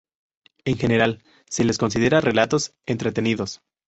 En general, se los considera "relatos entretenidos".